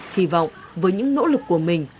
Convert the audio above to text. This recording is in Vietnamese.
hy vọng với những nỗ lực của mình